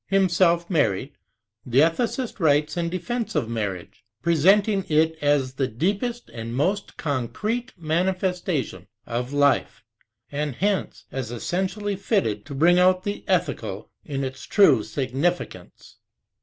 Himself married, the ethicist writes in defense of marriage, presenting it as the deepest and most concrete manifestation of life, and hence as essentially fitted to bring out the ethical in its true significance.